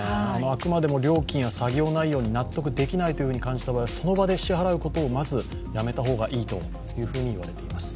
あくまでも料金や作業内容に納得できないと感じた場合その場で支払うことをまずやめたほうがいいと言われています。